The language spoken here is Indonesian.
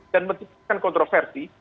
dan menciptakan kontroversi